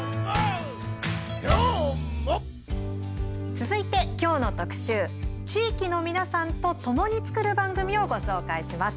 続いて、今日の特集地域の皆さんとともに作る番組をご紹介します。